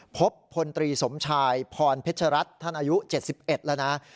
พลตรีสมชายพรเพชรรัฐท่านอายุ๗๑แล้วนะ